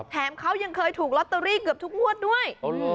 แถมเขายังเคยถูกลอตเตอรี่เกือบทุกงวดด้วย